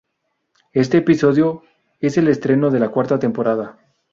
Este episodio es el estreno de la cuarta temporada.